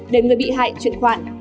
đến người bị hại chuyển khoản